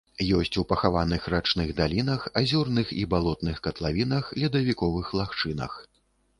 Ёсць у пахаваных рачных далінах, азёрных і балотных катлавінах, ледавіковых лагчынах.